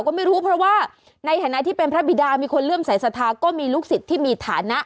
ก็ไม่รู้เพราะว่าในฐานะที่เป็นพระบิดามีคนเลื่อมสายศรัทธาก็มีลูกศิษย์ที่มีฐานะ